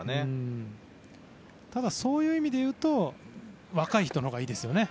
ただ、そういう意味でいうと若い人のほうがいいですよね。